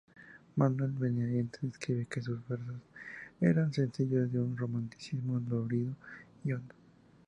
Manuel Benavente describe que sus versos eran "sencillos, de un romanticismo dolorido y hondo".